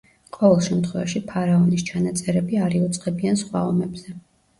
ყოველ შემთხვევაში ფარაონის ჩანაწერები არ იუწყებიან სხვა ომებზე.